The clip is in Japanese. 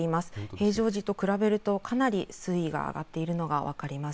通常時と比べるとかなり水位が上がっているのが分かります。